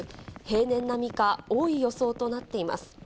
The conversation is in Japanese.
平年並みか、多い予想となっています。